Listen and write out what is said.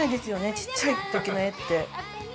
ちっちゃい時の絵って。